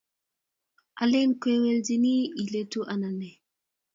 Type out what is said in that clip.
Alen kwalechin iletu anan nee?